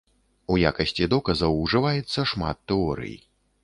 У якасці доказаў ужываецца шмат тэорый.